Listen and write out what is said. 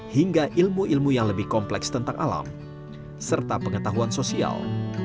hingga ilmu ilmu yang lebih kompleks tentang alam serta pengetahuan sosial